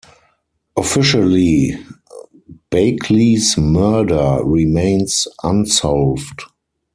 Officially, Bakley's murder remains unsolved.